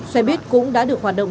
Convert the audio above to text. xe buýt cũng đã được hoạt động